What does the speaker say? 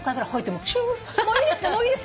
もういいです！